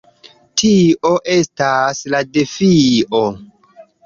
Tio estas la defio!